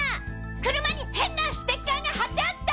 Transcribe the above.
車に変なステッカーが貼ってあった！